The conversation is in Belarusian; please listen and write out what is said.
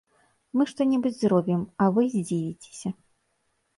Мы што-небудзь зробім, а вы здзівіцеся.